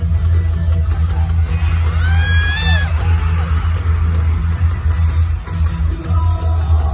สุดยอดมีสุดยอดมีสุดยอด